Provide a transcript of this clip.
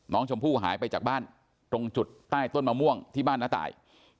น้องชมพู่หายไปจากบ้านตรงจุดใต้ต้นมะม่วงที่บ้านน้าตาย